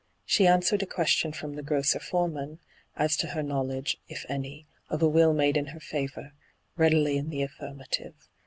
She answered a question from the grocer foreman, as to her knowledge, if any, of a will made in her favour, readily in the affirmative.